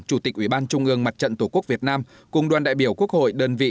chủ tịch ủy ban trung ương mặt trận tổ quốc việt nam cùng đoàn đại biểu quốc hội đơn vị